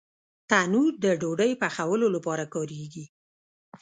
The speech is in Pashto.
تنور د ډوډۍ پخولو لپاره کارېږي